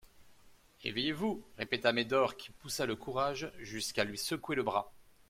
Éveillez-vous, répéta Médor qui poussa le courage jusqu'à lui secouer le bras.